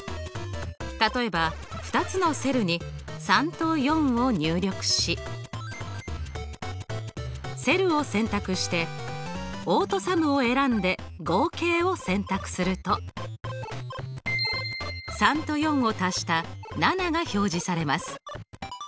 例えば２つのセルに３と４を入力しセルを選択してオートＳＵＭを選んで合計を選択すると３と４を足した７が表示されます。